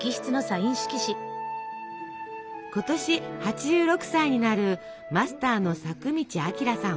今年８６歳になるマスターの作道明さん。